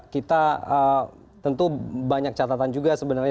kita tentu banyak catatan juga sebenarnya